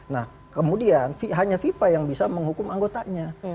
nah kemudian hanya fifa yang bisa menghukum anggotanya